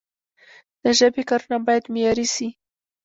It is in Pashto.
د ژبي کارونه باید معیاري سی.